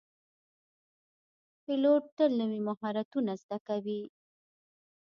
پیلوټ تل نوي مهارتونه زده کوي.